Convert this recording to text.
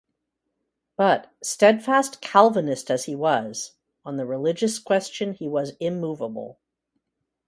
But, steadfast Calvinist as he was, on the religious question he was immovable.